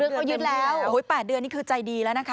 คือเขายึดแล้ว๘เดือนนี่คือใจดีแล้วนะคะ